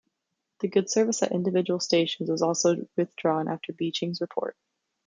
The goods service at individual stations was also withdrawn after Beeching's report.